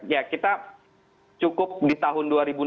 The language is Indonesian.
ya kita cukup di tahun dua ribu enam belas